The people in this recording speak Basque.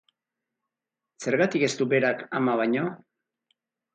Zergatik ez du berak ama baino?